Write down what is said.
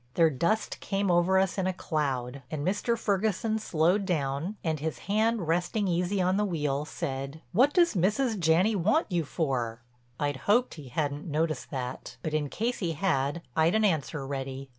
Their dust came over us in a cloud, and Mr. Ferguson slowed down, and, his hand resting easy on the wheel, said: "What does Mrs. Janney want you for?" I'd hoped he hadn't noticed that, but in case he had I'd an answer ready.